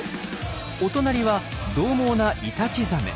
お隣はどう猛なイタチザメ。